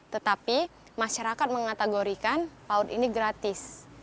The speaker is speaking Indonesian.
tetapi masyarakat mengategorikan paut ini gratis